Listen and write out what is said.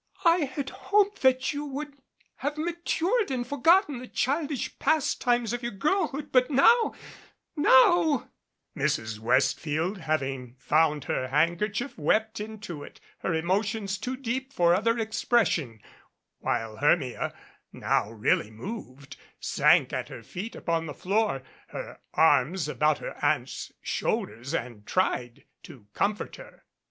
I had hoped that you would have matured and forgotten the childish pastimes of your girlhood but now now " 23 MADCAP Mrs. Westfield, having found her handkerchief, wept into it, her emotions too deep for other expression, while Hermia, now really moved, sank at her feet upon the floor, her arms about her Aunt's shoulders, and tried to comfort her.